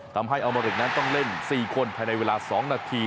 ทำให้อเมริกนั้นต้องเล่น๔คนภายในเวลา๒นาที